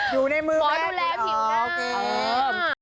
อยู่ในมือแม่ดีหรอโอเคหมอดูแลผิวหน้า